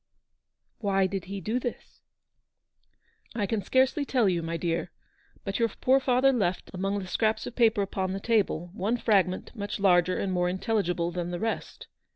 "Why did he do this?" " I can scarcely tell you, my dear ; but your GOOD SAMARITANS. 169 poor father left, among the scraps of paper upon the table, one fragment much larger and more intelligible than the rest.